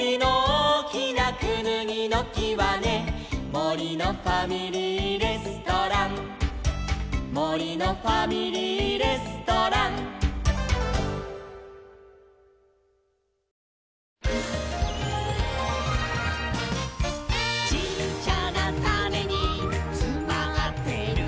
「もりのファミリーレストラン」「もりのファミリーレストラン」「ちっちゃなタネにつまってるんだ」